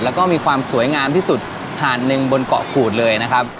แล้วก็มีความสวยงามที่สุดหาดหนึ่งบนเกาะกูดเลยนะครับ